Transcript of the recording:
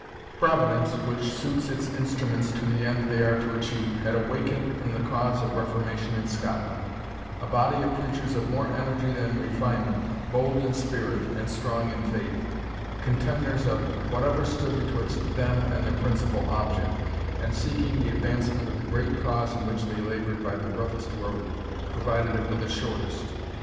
Providence, which suits its instruments to the end they are to achieve, had awakened in the cause of Reformation in Scotland, a body of preachers of more energy than refinement, bold in spirit, and strong in faith, contemners of whatever stood betwixt them and their principal object, and seeking the advancement of the great cause in which they laboured by the roughest road, provided it were the shortest.